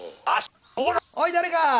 おい誰か！